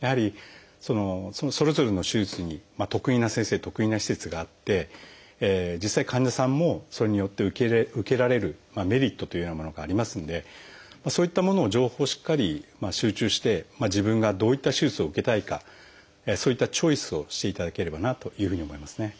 やはりそれぞれの手術に得意な先生得意な施設があって実際患者さんもそれによって受けられるメリットというようなものがありますのでそういったものを情報をしっかり収集して自分がどういった手術を受けたいかそういったチョイスをしていただければなというふうに思いますね。